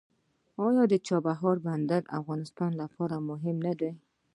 آیا د چابهار بندر د افغانستان لپاره مهم نه دی؟